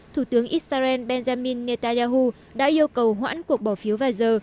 thủ tướng israel benjamin netanyahu đã yêu cầu hoãn cuộc bỏ phiếu vài giờ